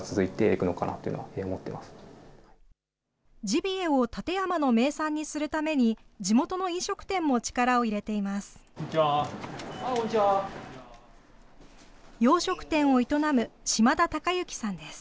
ジビエを館山市の名産にするために地元の飲食店も力を入れています。